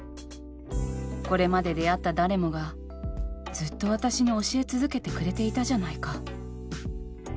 これまで出会った誰もがずっと私に教え続けてくれていたじゃないか。